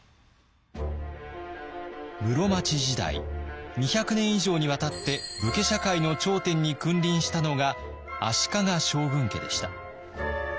室町時代２００年以上にわたって武家社会の頂点に君臨したのが足利将軍家でした。